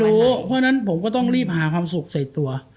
เพราะฉะนั้นผมก็ต้องรีบหาความสุขใส่ตัว